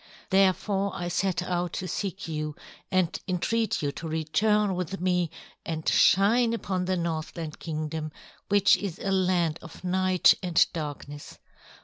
Therefore I set out to seek you and entreat you to return with me and shine upon the Northland Kingdom, which is a land of night and darkness.